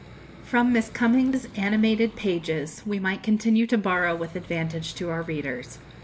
From Miss Cumming's animated pages we might continue to borrow with advantage to our readers.